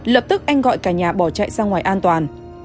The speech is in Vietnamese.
lập tức anh gọi cả nhà bỏ chạy ra ngoài an toàn